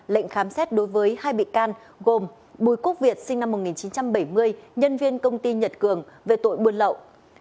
lệnh khám xét đối với hai bị can gồm bùi quốc việt sinh năm một nghìn chín trăm bảy mươi nhân viên công ty nhật cường về tội buôn lậu